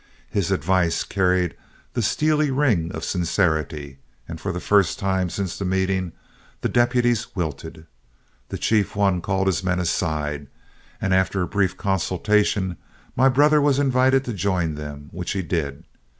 His advice carried the steely ring of sincerity, and for the first time since the meeting, the deputies wilted. The chief one called his men aside, and after a brief consultation my brother was invited to join them, which he did.